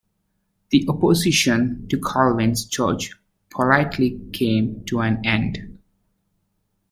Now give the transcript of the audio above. The opposition to Calvin's church polity came to an end.